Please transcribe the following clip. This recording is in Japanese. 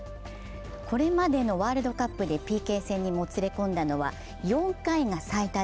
これまでのワールドカップでＰＫ戦にもつれ込んだのは４回が最多